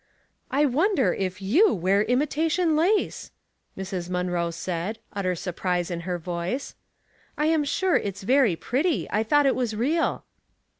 " 1 wonder if i/ou wear imitation lace !" Mrs. Munroe said, utter surprise in her voice. " I am sure it's very pretty. I thought it was real."